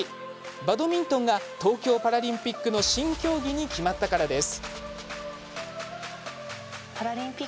バドミントンが東京パラリンピックの新競技に決まったからです。